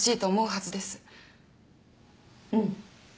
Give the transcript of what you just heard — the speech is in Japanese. うん。